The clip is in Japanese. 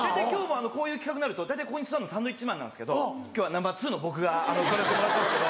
こういう企画になると大体ここに座るのサンドウィッチマンなんですけど今日はナンバー２の僕が座らせてもらってますけど。